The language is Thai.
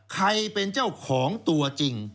ใครเป็นเจ้าของตัวจริง